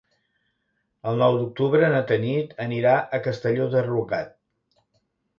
El nou d'octubre na Tanit anirà a Castelló de Rugat.